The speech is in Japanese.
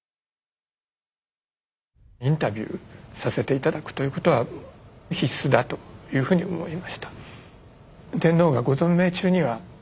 インタビューさせて頂くということは必須だというふうに思いました。